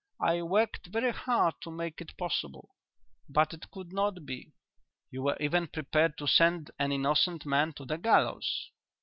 I worked very hard to make it possible, but it could not be." "You were even prepared to send an innocent man to the gallows?"